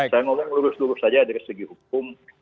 saya ngomong lurus lurus saja dari segi hukum